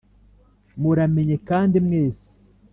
Muramenye kandi mwese